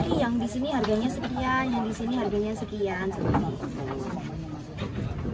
ini yang disini harganya sekian yang disini harganya sekian